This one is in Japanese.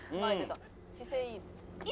姿勢いい。